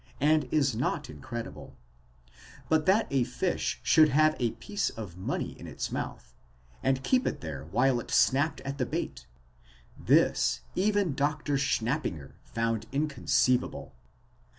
and is not incredible; but that a fish should have a piece of money in its mouth, and keep it there while it snapped at the bait—this even Dr. Schnappinger 385 found inconceivable.